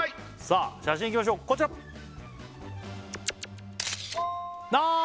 さあ写真いきましょうこちらあ！